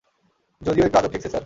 যদিও একটু আজব ঠেকছে, স্যার।